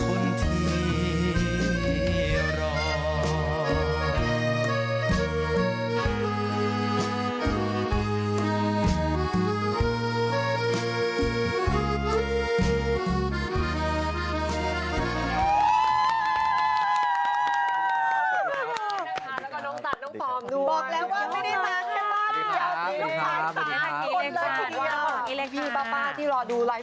คนที่รอ